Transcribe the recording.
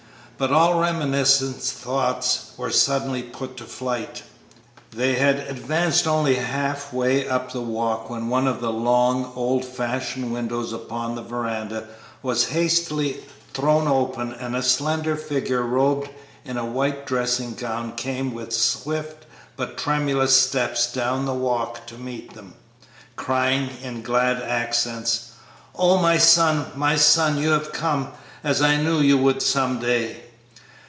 But all reminiscent thoughts were suddenly put to flight. They had advanced only about half way up the walk when one of the long, old fashioned windows upon the veranda was hastily thrown open and a slender figure robed in a white dressing gown came with swift but tremulous steps down the walk to meet them, crying, in glad accents, "Oh, my son! my son! you have come, as I knew you would some day!"